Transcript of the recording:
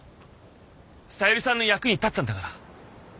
小百合さんの役に立てたんだから。